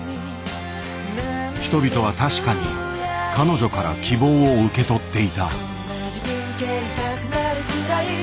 人々は確かに彼女から希望を受け取っていた。